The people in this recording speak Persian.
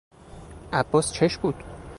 عباس چش بود؟